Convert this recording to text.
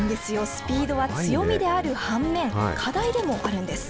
スピードは強みである反面課題でもあるんです。